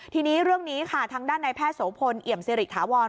ทีนี้เรื่องนี้ค่ะทางด้านในแพทย์โสพลเอี่ยมสิริถาวร